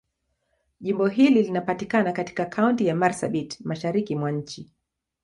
Jimbo hili linapatikana katika Kaunti ya Marsabit, Mashariki mwa nchi.